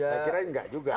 saya kirain nggak juga